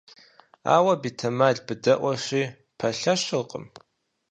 Ауэ, бетэмал, быдэӀуэщи, пэлъэщыркъым.